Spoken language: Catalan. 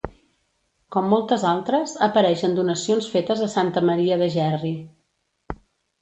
Com moltes altres, apareix en donacions fetes a Santa Maria de Gerri.